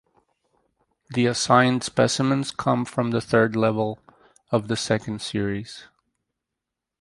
The assigned specimens come from the third level of the second series.